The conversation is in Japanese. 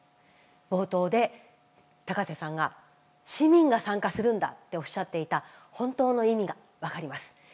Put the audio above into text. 冒頭で高瀬さんが市民が参加するんだっておっしゃっていた本当の意味が分かります。